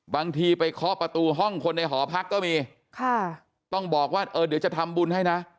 บางทีไปเคาะประตูห้องคนในหอพักก็มีค่ะต้องบอกว่าเออเดี๋ยวจะทำบุญให้นะ